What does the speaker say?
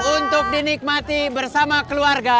untuk dinikmati bersama keluarga